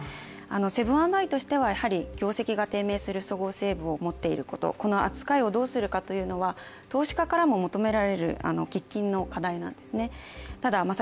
セブン＆アイとしてはやはり業績が低迷するそごう・西武を持っていることこの扱いをどうするかというのは投資家からも求められる喫緊の課題なんですね